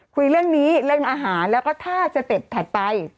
คุยเรื่องนี้เรื่องอาหารแล้วก็ถ้าสเต็ปถัดไป